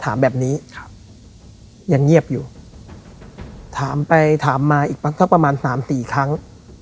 ถามแบบนี้ครับยังเงียบอยู่ถามไปถามมาอีกสักประมาณสามสี่ครั้ง